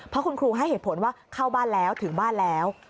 เพราะคุณครูให้เหตุผลว่าเข้าบ้านแล้วถึงบ้านแล้ว